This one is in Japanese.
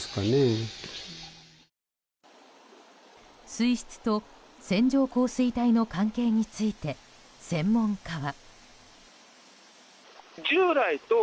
水質と線状降水帯の関係について専門家は。